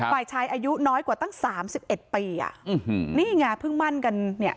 ฝ่ายชายอายุน้อยกว่าตั้งสามสิบเอ็ดปีอ่ะอืมนี่ไงเพิ่งมั่นกันเนี่ย